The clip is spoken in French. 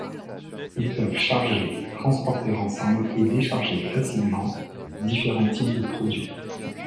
Ils peuvent charger, transporter ensemble et décharger facilement différents types de produits.